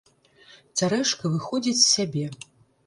Цярэшка выходзіць з сябе.